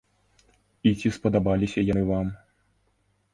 І ці спадабаліся яны вам?